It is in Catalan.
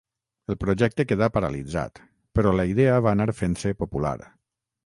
El projecte quedà paralitzat, però la idea va anar fent-se popular.